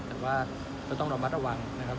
แต่ว่าจะต้องรอบรับระวังนะครับ